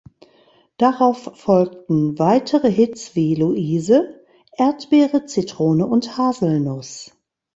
Darauf folgten weitere Hits wie „Luise“, „Erdbeere, Zitrone und Haselnuss“.